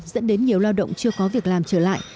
dẫn đến nhiều lao động chưa có việc làm trở lại